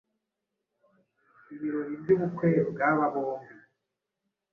Ibirori by’ubukwe bw’aba bombi